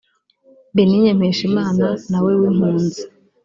Benigne Mpeshimana nawe w’impunzi